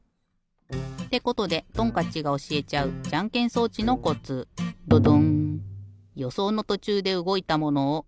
ってことでトンカッチがおしえちゃうじゃんけん装置のコツドドン！